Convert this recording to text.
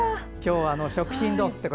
今日は食品ロス。